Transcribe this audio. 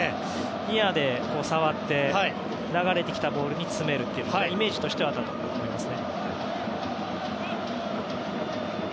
ニアで触って流れてきたボールに詰めるというのがイメージとしてはあったと思います。